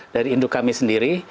dari induk kami sendiri